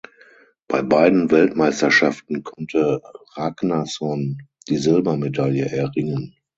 Bei beiden Weltmeisterschaften konnte Ragnarsson die Silbermedaille erringen.